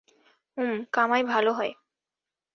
হুম, কামাই ভালো হয়।